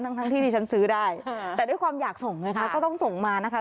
ทั้งที่ที่ฉันซื้อได้แต่ด้วยความอยากส่งไงคะก็ต้องส่งมานะคะ